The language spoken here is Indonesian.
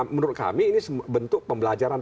menurut kami ini bentuk pembelajaran